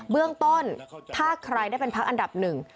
เบื้องต้นถ้าใครได้เป็นพักอันดับหนึ่ง